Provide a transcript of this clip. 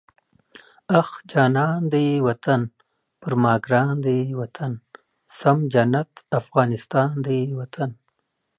اخ جانان دی وطن، پر ما ګران دی وطن، سم جنت افغانستان دی وطن